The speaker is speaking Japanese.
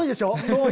そう。